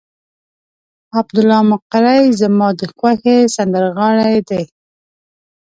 عبدالله مقری زما د خوښې سندرغاړی دی.